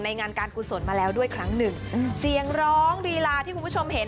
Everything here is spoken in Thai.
งานการกุศลมาแล้วด้วยครั้งหนึ่งเสียงร้องรีลาที่คุณผู้ชมเห็น